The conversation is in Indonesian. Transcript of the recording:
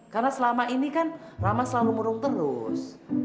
karena selama ini kan rama selalu murung terus